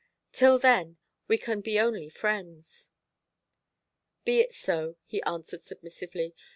Till then we can be only friends." "Be it so," he answered submissively.